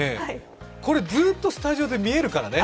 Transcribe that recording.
これずっとスタジオで見えるからね。